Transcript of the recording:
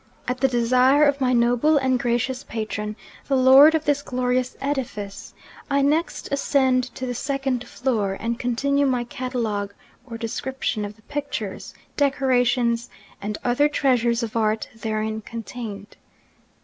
At the desire of my noble and gracious patron, the lord of this glorious edifice, I next ascend to the second floor, and continue my catalogue or description of the pictures, decorations, and other treasures of art therein contained.